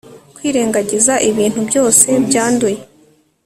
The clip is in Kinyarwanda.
Kwirengagiza ibintu byose byanduye